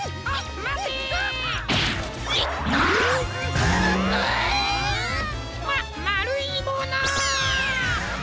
ままるいもの。